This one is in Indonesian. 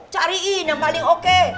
cariin yang paling oke